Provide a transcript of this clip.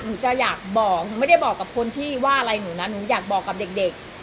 หนูจะอยากบอกหนูไม่ได้บอกกับคนที่ว่าอะไรหนูนะหนูอยากบอกกับเด็ก